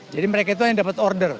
jadi mereka itu hanya dapat order